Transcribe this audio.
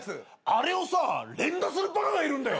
あれをさ連打するバカがいるんだよ！